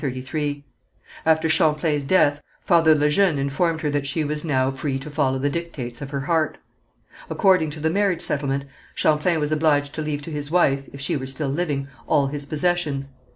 After Champlain's death, Father Le Jeune informed her that she was now free to follow the dictates of her heart. According to the marriage settlement, Champlain was obliged to leave to his wife, if she were still living, all his possessions.